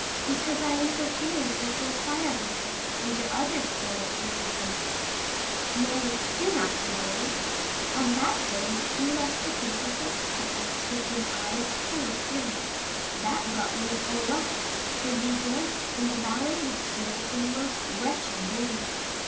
"Because I interfered with your sarabands and your other Spanish amusements. Nay, do not deny it. On that day you left the princess's apartments with your eyes full of fury; that brought you ill luck, for you danced in the ballet yesterday in a most wretched manner.